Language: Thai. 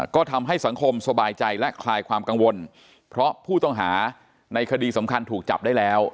ก็ทำให้สังคมสบายใจและคลายความกังวลเพราะผู้ต้องหาในคดีสำคัญถูกจับได้แล้ว